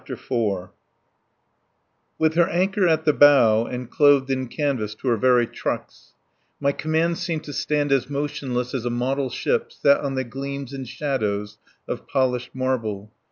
PART TWO IV With her anchor at the bow and clothed in canvas to her very trucks, my command seemed to stand as motionless as a model ship set on the gleams and shadows of polished marble.